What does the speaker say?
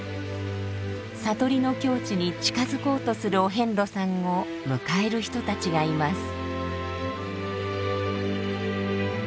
悟りの境地に近づこうとするお遍路さんを迎える人たちがいます。